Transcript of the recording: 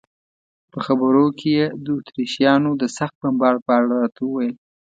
په خبرو کې یې د اتریشیانو د سخت بمبار په اړه راته وویل.